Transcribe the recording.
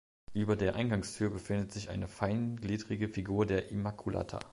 Über der Eingangstür befindet sich eine feingliedrige Figur der Immaculata.